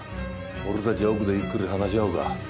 俺たちは奥でゆっくり話し合おうか。